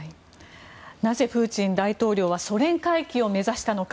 なぜ、プーチン大統領はソ連回帰を目指したのか。